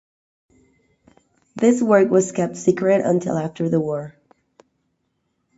This work was kept secret until after the war.